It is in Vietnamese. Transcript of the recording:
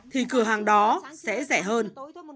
thì cửa hàng đó sẽ rẻ hơn